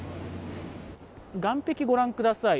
岸壁、ご覧ください。